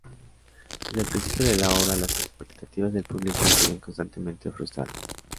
Desde el principio de la obra, las expectativas del público se ven constantemente frustradas.